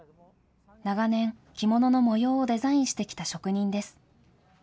長年、着物の模様をデザインしてきた職人です。